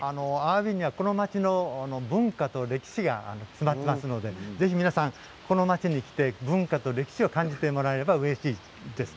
この町の文化と歴史が詰まっていますのでぜひ皆さん、この町に来て文化と歴史を感じてもらえればうれしいです。